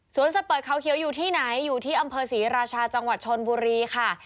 สเปอร์เขาเขียวอยู่ที่ไหนอยู่ที่อำเภอศรีราชาจังหวัดชนบุรีค่ะ